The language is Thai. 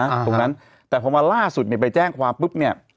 ตรงนั้นแต่พอมาล่าสุดเนี่ยไปแจ้งความปุ๊บเนี่ย